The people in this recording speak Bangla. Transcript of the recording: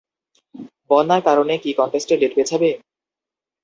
বন্যার কারণে কি কন্টেস্টের ডেট পেছাবে?